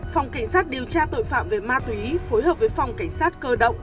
phòng cảnh sát điều tra tội phạm về ma túy phối hợp với phòng cảnh sát cơ động